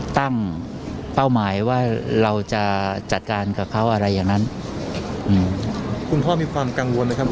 ตั้งเป้าหมายว่าเราจะจัดการกับเขาอะไรอย่างนั้นอืมคุณพ่อมีความกังวลไหมครับ